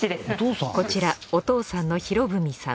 こちらお父さんの博文さん